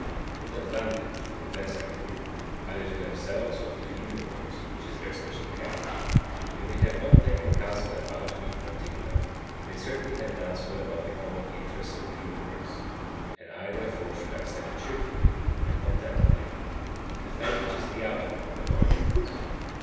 What advantage would thence accrue, either to themselves or to the Universe which is their special care? If they have not taken counsel about me in particular, they certainly have done so about the common interest of the Universe, and I therefore should accept cheerfully and contentedly the fate which is the outcome of their ordinance.